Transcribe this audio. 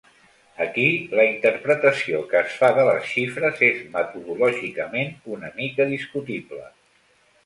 Aquí la interpretació que es fa de les xifres és metodològicament una mica discutible.